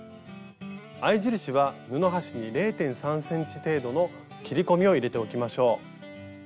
合い印は布端に０．３ｃｍ程度の切り込みを入れておきましょう。